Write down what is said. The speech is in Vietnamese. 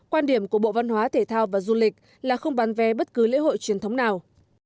quan điểm của bộ văn hóa thể thao và du lịch là không bán vé bất cứ lễ hội truyền thống nào